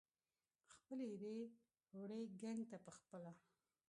خپلې ایرې وړي ګنګ ته پخپله